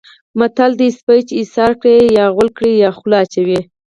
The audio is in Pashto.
متل دی: سپی چې ایسار کړې یا غول کړي یا خوله اچوي.